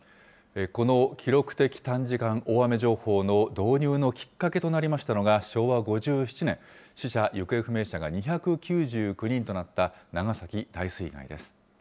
この記録的短時間大雨情報の導入のきっかけとなりましたのが、昭和５７年、死者・行方不明者が２９９人となった長崎大水害です。